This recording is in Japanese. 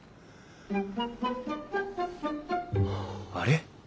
あれ？